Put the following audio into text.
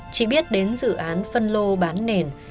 chỉ biết đến dự án phân lô bán nền